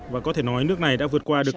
và có thể nói nước này đã vượt qua được